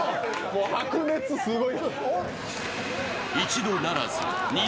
白熱、すごい。